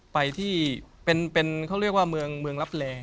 ไปที่เป็นเขาเรียกว่าเมืองรับแรง